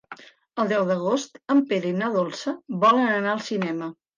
El deu d'agost en Pere i na Dolça volen anar al cinema.